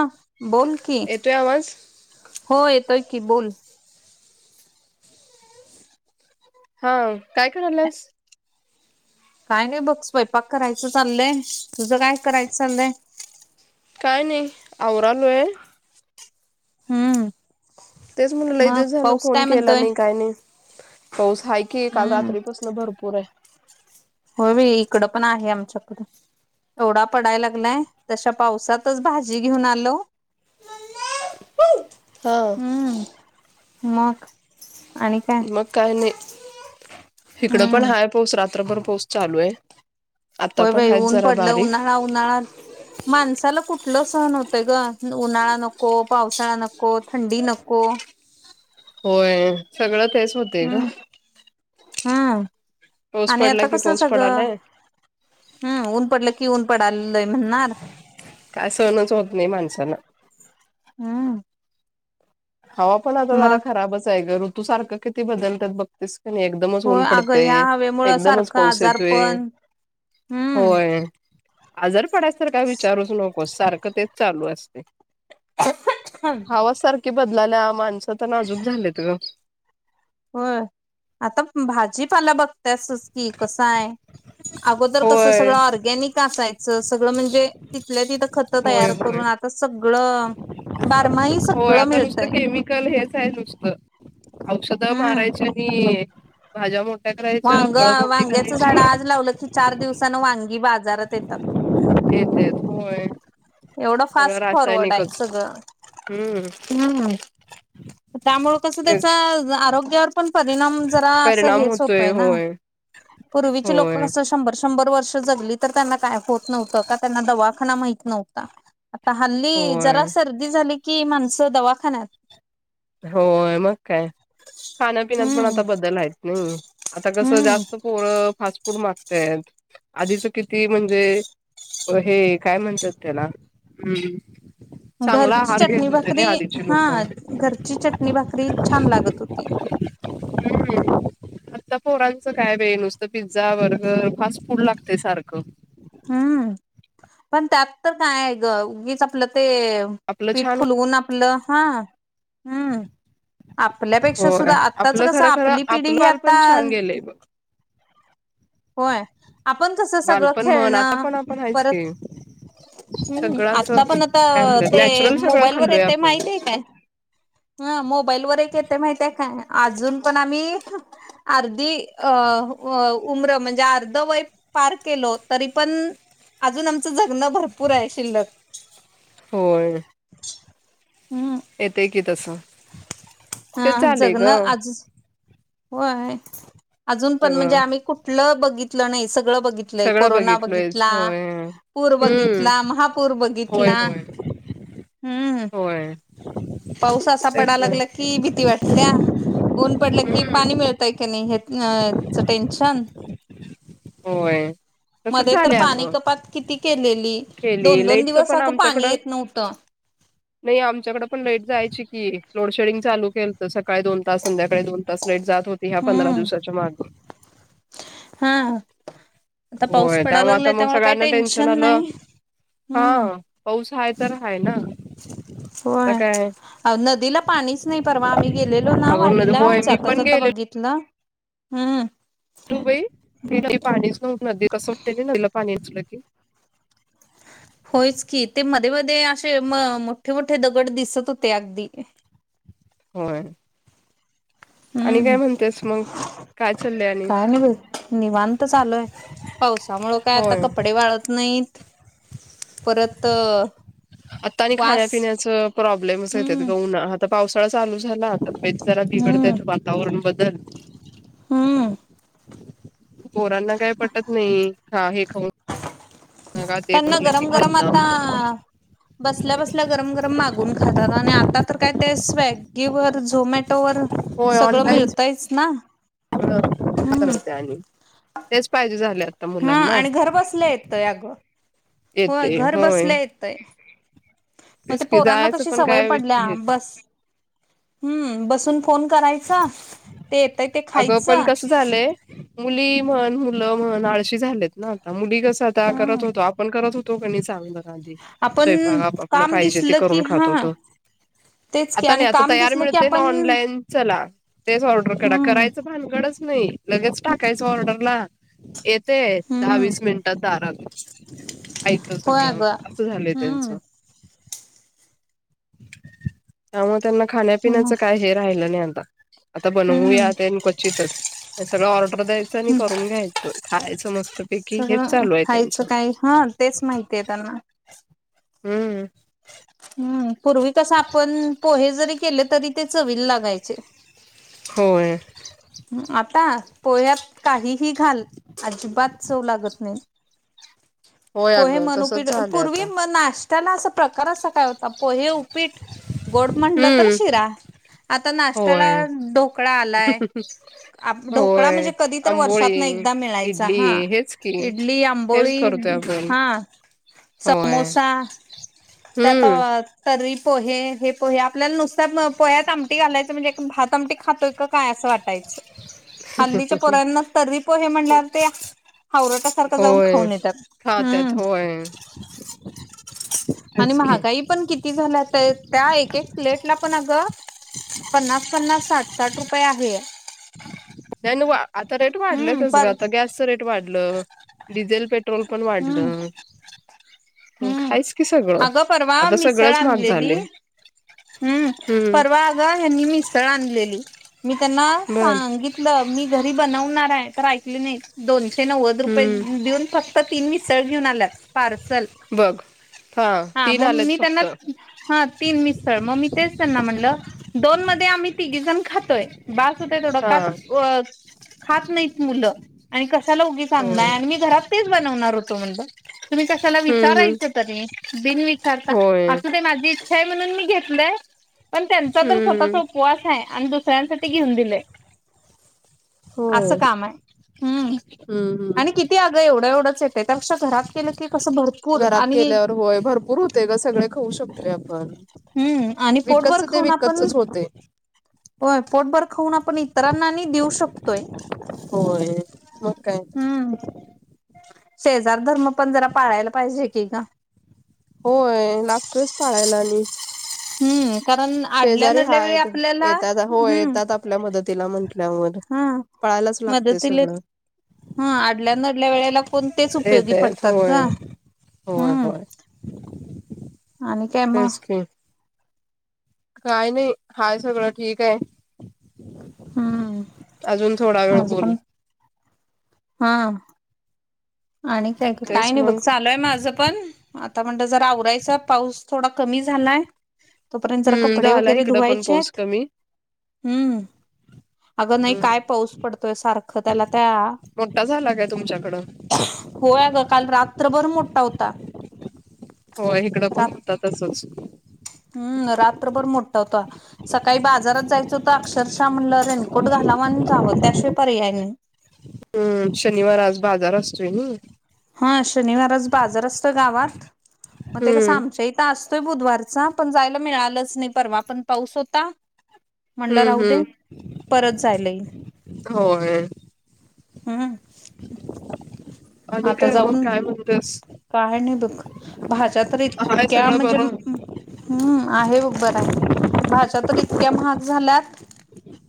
हा बोल की येतोय आवाज हो येतोय की बोल. हाव काय करालंस? काय नाय बघ स्वयंपाक करायचं चाललंय तुझं काय कराय चाललंय? काय नाही आवरालोय. हम्म. तेच म्हणलो लई मग दिवस झालं पाऊस फोन काय केला म्हणतोय नाही काय नाही पाऊस हाय कि काल हम्म रात्रीपसनं भरपूर आहे. हो बई इकडं पण आहे आमच्याकडं. तेवढा पडायला लागलाय तशा पावसातच भाजी घेऊन आलो. हा हम्म मग आणि काय? मग काय नाही इकडं पण हम्म हाय पाऊस रात्रभर पाऊस चालू आहे. आता होय पण बाई हायच ऊन जरा पडलं बारीक उन्हाळा-उन्हाळा माणसाला कुठलं सहण होतय गं उन्हाळा नको पावसाळा नको थंडी नको. होय सगळं तेच होत हम्म हम्म पाऊस आणि पडला आता की कसं पाऊस सगळं पडालाय हम्म ऊन पडलं की ऊन पडल्लाय म्हणणार. काय सहणच होत नाही माणसाना. हम्म. हवा पण आता जरा मग खराबच आहे गं ऋतू सारखं किती बदलत्यात बघतीस आणि एकदमच ऊन होय अगं पडते, ह्या हवेमुळं एकदमच सारखं पाऊस येतो आजारपण हम्म होय. आजर पडस तर काय विचारूच नको सारखं तेच चालू असते. हम. आवाज सारखे बदलाल्या माणसं तर नाजूक झालेत गं. होय आता भाजीपाला बघ त्यासच की कसा आहे अगोदर कसं होय सगळं ऑरगॅनिक ते असायचं सगळं म्हणजे तिथलं तिथं खत होय तयार होय करून आ तर सगळं बारमाही सगळं मिळतंय. कल हेच आहे नुसतं औषध हम्म मारायचे आणि भाज्या मोठ्या करायच्या वांग फळं मोठी वांग्याचं झाड करायची. आज लावलं की चार दिवसानं वांगी बाजारात येतात. हेच आहेत होय एवढं सगळं फास्ट फॉरवर्ड आहे रासायनिकच सगळं हम्म हम्म. त्यामुळे कसं त्याचा तेच आरोग्यावर पण परिणाम जरा असं परिणाम हेच हो होतोय न होय पूर्वीचे लोकं होय कसं शंभर-शंभर वर्ष जगली तर त्यांना काय होत नव्हतं का त्यांना दवाखाना माहीत नव्हता. आता हल्ली होय जरा सर्दी झाली की माणसं दवाखान्यात होय मग काय खाण्यापिण्यात पण हम्म आता बदल आहेत नाही आता कसं हम्म जास्त पोरं फास्ट फूड मागतय आधीचा किती म्हणजे हे काय म्हणतात त्याला हम्म. चांगला घरची आहार घेत चटणी होते ना भाकरी आधीची हा लोक घरची चटणी भाकरी छान लागत होती. हम्म हम्म. आता पोरांचं काय वे नुसतं पिझ्झा बर्गर फास्ट फूड लागते सारखं. हम्म पण त्यात तर काय आहे गं उगीच आपलं ते आपलं पीठ छान फुलवून आपलं हा हम्म. आपल्यापेक्षा होय सुद्धा आत्ताच आपलं कसं खरं खरं आपली पिढी आपलं ही आता बालपण छान गेलंय बघ होय आपण कसं सगळं बालपण म्हण आता खेळणं पण आपण आहेच परत की हम्म सगळं असं आता पण आता काय म्हणतात ते नॅचरल सगळं मोबाईल वर खाल्लोय येते आपण माहती आहे काय? हा मोबाईल वर एक येते माहित आहे काय अजून पण आम्ही अर्धी अ अ उम्र म्हणजे अर्ध वय पार केलो. तरी पण अजून आमचं जगणं भरपूर आहे शिल्लक. होय. हम्म. येते की तसं. हा तेच झाले जगणं ग आज होय अजून पण म्हणजे सगळं आम्ही कु तलं बघितलं नाही सगळं बघित सगळं तल्यकोरोना बघितलोयच बघितला, होय पूर हम्म बघितला, महापूर होय बघितला होय हम्म होय पाऊस असा पडा तेच ना लागला ती भीती वाटत्या ऊन पडल्या की पाणी हम्म मिळतय की नाही हे न चा टेन्शन होय. तसच मध्ये तर झालंय पाणी अगं कपात किती केलेली केली दोन-दोन लाईटच दिवस पण अगं पाणी आमच्याकडं येत नव्हतं. नाही आमच्याकडे पण लाइट जायची की लोड शेडिंग चालू केलता सकाळी दोन तास संध्याकाळी दोन तास लाईट जात होती ह्या पंधरा हम्म दिवसाच्या मागं. हा आता पाऊस होय पडायला त्यामुळे आता लागलाय मग काही सगळ्यांना टेन्शन आलं. नाही. हा हम्म पाऊस आहे तर हाय ना. आता होय काय नदीला पाणीचं नाही परवा आम्ही गेलेलो ना अगं वाडीला होय मी जाता पण जाता गेलेलो बघित तला हम्म. तु बाई [unintelligible] पाणीच नव्ह नदी कसं उटते नदीला पाणी असलं की. होयच की ते मध्ये-मध्ये अशे म मोठे-मोठे दगड दिसत होते अगदी. होय आणि हम्म काय म्हणतेस मग? काय चाललंय आणि काय नाही बर निवांत चालूय. पावसामुळं काय आता होय कपडे वाळत नाहीत परत आता आणि वास खाण्यापिण्याचा प्रॉब्लेमस येत्यात हम्म ग उन्हा आता पावसाळा चालू झाला तब्येत जरा हम्म बिघडत्यात वातावरण बदल हम्म. पोरांना काय पटत नाही हा हे खाऊन [unintelligible] एक त्यांना उरलं की गरम गरम खात आता [unintelligible] बसल्या बसल्या गरम गरम मागून खातात. आणि आता तर काय ते स्वॅगीवर झोमॅटोवर, होय सगळं ऑनलाईन मिळतयच ना हम्म [inaudible] आणि तेच पाहिजे झाल्यात. हा आणि घर बसल्या येतय अगं होय येते घर होय बसल्या येतय. मग ते तेच की पोरांना जायचं कशी पण सवय काय पडल्या हे बस हम्म बसून फोन करायचं ते येतय ते अगं पण खायचं. कसं झालंय मुली म्हण मुलं म्हण आळशी झालेत ना आता, मुली कस आता हम्म करत होतो आपण करत होतो. तो कणी चांगल [unintelligible] आधी आपण स्वयंपाक आप आपलं काम पाहिजे ते दिसलं की करून हा खात होतो. तेच की आता आणि नाही आता काम तयार दिसलं की मिळते ना आपण ऑनलाईन. चला तेच ऑर्डर करा हम्म करायचं भानगडच नाही लगेच टाकायचं ऑर्डरला ये ते दहा हम्म वीस मिनिटात दारात ऐतं होय सगळं अगं असं झालंय हम्म त्यांचं. त्यामुळे त्यांना खाण्यापिण्याचं मग काय हे राहिलं नाही आता. आता बनवूया मेन क्वचितच सगळ ऑर्डर द्याच. चणी हम्म करून घ्यायचं खायचं मस्तपैकी हेच सगळं चालू आहे त्यांच. खायचं काय हा तेच माहितीय त्यांना हम्म हम्म पूर्वी कस आपण पोहे जरी केले तरी ते चवील लागायचे. होय.. आता पोह्यात काहीही घाल अजिबात चव लागत नाही. होय पोहे अगं म्हण तसच उपीट झालंय पूर्वी आता मनाश त्याला असा प्रकार असा काय होता पोहे, उपीट गोड म्हटलं तर हम्म शिरा आता नाष्टयाला होय. ढोकळा आलाय. ढोकळा म्हणजे होय कधी तर वर्षात न आंबोळी एकदा मिळायचा इडली हा हेच की इडली, हेच आंबोळी, करतोय आपण हा.. होय.. ते आता हम्म तरी.. पोहे हे पोहे आपल्याला नुसत्या पोह्यात आमटी घालायचं म्हणजे भात आमटी खातोय काय असं वाट हल्लीच्या पोरांना तरी पोहे म्हणल्यावर ते हावरटा सारखा जाऊन होय. खाऊन येतात खात्यात हम् होय आणि तेच की महागाई पण किती झाल्या? ते त्या एक, एक प्लेटला पण अगं. [inaudible] पन्नास पन्नास, साठ, साठ रुपये आहे. आता रेट हम्म वाढलेतच पर गॅस रेट वाढल, डिझेल, पेट्रोल पेट्रोल पण हम्म वाढलं. हम्म हायच कि सगळं अगं परवा आता मिसळ सगळंच महाग आणलेली झालय. हम्म परवा अग यांनी मिसळ आणलेली मी त्यांना बर सांगित तलं मी घरी बनवणार आहे तर ऐकले नाहीत दोनशे नव्वद रुपये हम्म देऊन फ तीन मिसळ घेऊन आल्यात पार्सल. बघ हा तीन मग आलेत मी त्यांना फक्त. हा तीन मिस मग मी तेच त्यांना म्हणलं दोन मध्ये आम्ही तिघी जण खातोय बास होतय तेवढं हा का तर खात नाही मुलं आणि कशाला उगीच होय आणलाय आणि मी घरात तेच बनवणार होतो म्हटलं तुम्ही कशाला? हम्म हम्म विचारायच तरी बिनविचारता होय असू दे माझी इच्छा आहे म्हणून मी घेत पण त्यांचा तर स्वतः हम्म उपवास आहे दु सगळ्यांसाठी घेऊन दिलय होय असं काम आहे हम् हम्म आणि हम्म किती आगं एवढं एवढं येतय त्यापेक्षा घरात केलं की कसं भरपूर घरात आणि केल्यावर होय भरपूरच होत. ते गं सगळे खाऊ शकतोय आपण. हम्म, आणि पोटभर विकतच ते खाऊन आपण. विकतचच होते होय, पोटभर खाऊन आपण इतरांना आणि देऊ शकतोय. होय, मग काय. हम्म, शेजार धर्म पण जरा पाळायला पाहिजे की गं. होय, लागतोयच पाळायला आणि. हम्म. कारण आडल्या शेजारी नडल्या वेळी हायत आपल्याला येतात हो हम्म येतात, आपल्या मदतीला म्हटल्यावर. हा. पळायलाच लागतय मदतीले सगळं. हा आडल्यानडल्या वेळेला कोण तेच उपयोगी येत पडतात होय गं. होय होय. आणि काय मग. तेच की काय नाही हाय, सगळं ठीक आहे. हम्म अजून थोडा वेळ माझं बोलू. पण हा. आणि काय गं काय, तेच नाही बघ मग चालूय माझं. पण आता म्हणत जरा आवरायचा पाऊस थोडा कमी झालाय. तोपर्यंत जरा हम्म कपडे झाला वगैरे इकडं पण धुवायचे पाऊस येत. कमी हम्म, अगं नाही काय पाऊस पडतोय, सारखं त्याला त्या. मोठा झाला काय तुमच्याकडं. होय, आगं काल रात्रभर मोठा होता. होय, इकडं पण होत तसंच. हम् रात्रभर मोठा होता. सकाळी बाजारात जायच होत, अक्षरशः म्हणलं रेनकोट घालावं आणि जावं त्याशिवाय पर्याय नाही. हम्म, शनिवार आज बाजार असतोय नी. हा शनिवारच बाजार असतो, गावात मग ते कसं हम्म आमच्या इ इत असतोय बुधवारचा, पण जायला मिळालंच नाही परवा पण पाऊस होता. म्हणलं हम्म राहू दे, हम्म परत जायला येईल. होय. हम्म. [inaudible] आता मग जाऊन काय म्हणतेस काय नाही बघ, भाज्या तरी हाय इतक्या सगळं म्हणजे. बरं हम्म, आहे बग बरं ये, भाज्या तर इतक्या महाग झाल्यात.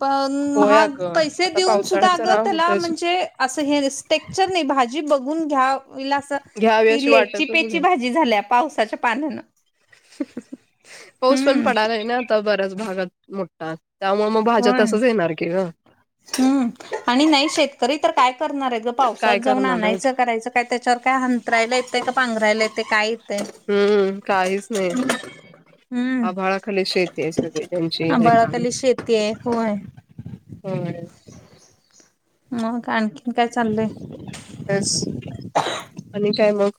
पण होय महाग अगं पैसे आता देऊन सुद्धा, पावसाळ्यात अगं जरा त्याला होतच म्हणजे. असं हे स्टेक्चर नाही भाजी बघून घ्याव, अस घ्यावी ती अशी लेची वाटतच पेची नाही भाज जी झाल्या पावसाच्या पाण्यान. पाऊस पण पडाला आहे ना, आता बऱ्याच भागात मोठा त्यामुळे मग. भाज्या होय तसंच येणार की गं. हम्म, आणि नाही शेतकरी तर काय करणार येत. जर पावसात काय जाऊन करणार आहेत आणायचं करायचं, काय त्याच्यावर काय हंतरायला येतंय, का पांघरायला येते काय येतंय. हम्म काहीच नाही. हम्म आभाळखाली शेती आहे, सगळी त्यांची रेखा खाली शेती आहे होय. होय. मग आणखीन काय चाललंय. अस. ठीक हाय मग.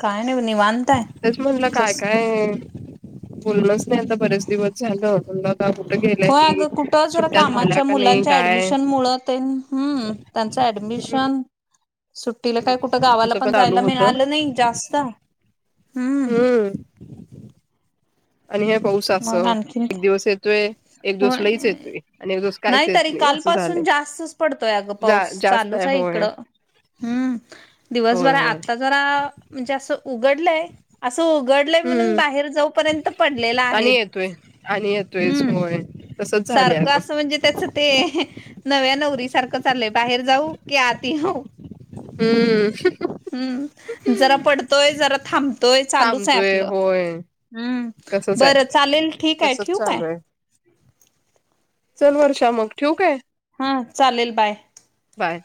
काय नाही बग निवांत आहे. तेच म्हणलं काय जस काय, बोलणच नाही आता बरेच दिवस झालं म्हणलं. आता कुठं गेल्या हो अग, ही कुठ जरा सुट्ट्या झाल्या कामाच्या का नाही मुलांच्या काय ऍडमिशन मुळ तेन, हम्म. त्यांचं ऍडमिशन. [inaudible] सुट्टीला काय कुठं गावाला आमचं पण चालू जायला होत मिळालं नाही जास्त. हम्म आणि हे पाऊस अस, मग आणखीन एक दिवस येतोय एक दिवस होय लहीच येतोय, आणि एक दिवस काहीच नाही येत तरी असं झालंय कालपासून जास्तच पडतोय, अगं जा पाऊस जास्त चालूच आहे होय इकडं. हम्म होय दिवसभर होय आता. जरा म्हणजे अस उघडलय, असं उघडलय म्हणून हम्म बाहेर जाऊपर्यंत पडलेला आहे. आणि येतोय, आणि येतोयच हम्म होय. तसच झालंय सारखं अगं असं म्हणजे त्याच ते नव्या नवरी सारखं चाललंय, बाहेर जाऊ की आती येऊ? हम्म हम्म जरा पडतोय, जरा थांबतोय, चालूच आहे थांबतोय आपलं होय. हम्म, तसच आहे बरं चालेल ठीक आहे तसच ठीऊ काय? चालू आहे चल वर्षा मग, ठेऊ काय? हा चालेल, बाय. बाय.